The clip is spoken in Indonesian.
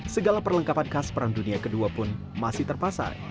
segala perlengkapan khas perang dunia ke dua pun masih terpasar